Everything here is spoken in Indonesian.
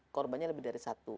korbannya lebih dari satu